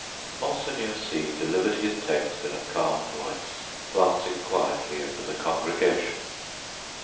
Monseigneur C delivered his text in a calm voice, glancing quietly over the congregation.